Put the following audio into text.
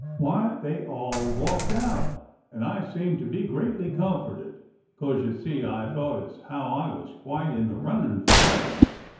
Why, they all walked out, and I seemed to be greatly comforted, 'cos, you see, I thought as how I was quite in the runnin' for heaven.